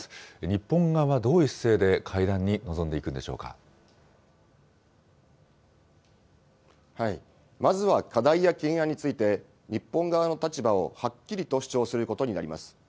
日本側はどういう姿勢で会談に臨まずは課題や懸案について、日本側の立場をはっきりと主張することになります。